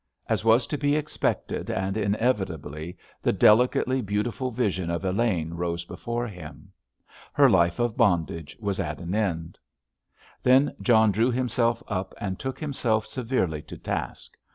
As was to be expected, and inevitably the delicately beautiful vision of Elaine rose before him.... Her life of bondage was at an end.... Then John drew himself up and took himself severely to task.